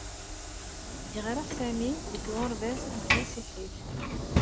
Yeɣra Sami deg uɣerbaz n tmasiḥit